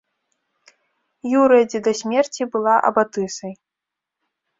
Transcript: Юрыя, дзе да смерці была абатысай.